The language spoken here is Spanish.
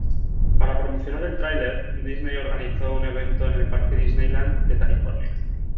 Para promocionar el tráiler, Disney organizó un evento en el parque Disneyland de California.